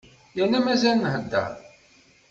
Yerna mazal nhedder.